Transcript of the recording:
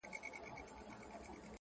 وي دردونه په سيــــنـــــوكـــــــــي~